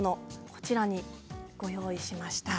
こちらにご用意しました。